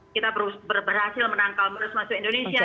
kita berhasil menangkal mulus masuk indonesia